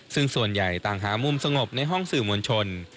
ซึ่งส่วนใหญ่ต่างหามุมสงบในห้องสื่อมวลชน